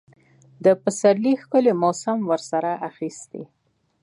د پسرلي ښکلي موسم ورسره اخیستی.